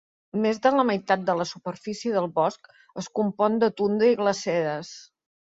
Més de la meitat de la superfície del bosc es compon de tundra i glaceres.